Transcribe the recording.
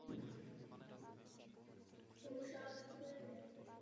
Dnes se pěstuje především v Asii.